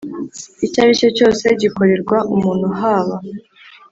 icyo ari cyo cyose gikorerwa umuntu haba